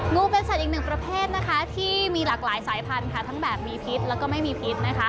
งูเป็นสัตว์อีกหนึ่งประเภทนะคะที่มีหลากหลายสายพันธุ์ทั้งแบบมีพิษแล้วก็ไม่มีพิษนะคะ